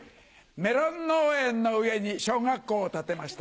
メロン農園の上に小学校を建てました。